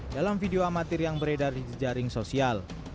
dalam video amatir yang beredar di jaring sosial